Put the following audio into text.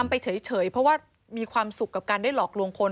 ไปเฉยเพราะว่ามีความสุขกับการได้หลอกลวงคน